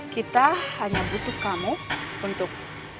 kita hanya butuh kamu untuk